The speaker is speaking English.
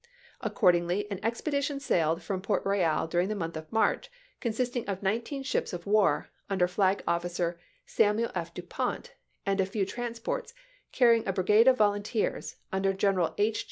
Accordingly, an expedition sailed from ROANOKE ISLAND 251 Port Royal during the month of March, consist chap. xiv. ing of nineteen ships of war, under Flag officer Samuel F. Du Pont, and a few transports, carry ing a brigade of volunteers, under Gleneral H.